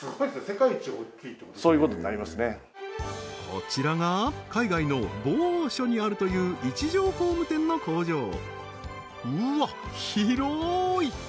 こちらが海外の某所にあるという一条工務店の工場うわっ広い！